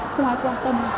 không ai quan tâm